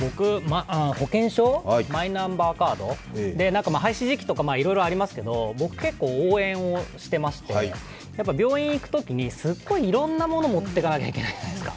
保険証、マイナンバーカード廃止時期とかいろいろありますけど、僕結構、応援をしていまして、病院行くときにすごいいろんなものを持っていかなきゃいけないじゃないですか。